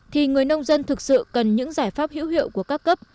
thì người nông dân thực sự cần những giải pháp hữu hiệu của các cấp